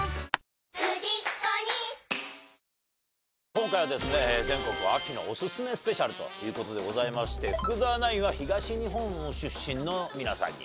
今回はですね全国秋のオススメスペシャルという事でございまして福澤ナインは東日本出身の皆さんに。